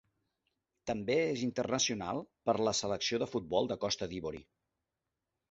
També és internacional per la selecció de futbol de Costa d'Ivori.